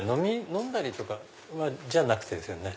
飲んだりじゃなくてですよね？